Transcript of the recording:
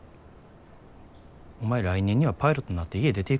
お前来年にはパイロットになって家出ていくんやろ。